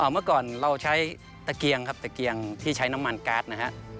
เมื่อก่อนเราใช้ตะเกียงครับตะเกียงที่ใช้น้ำมันการ์ดนะฮะ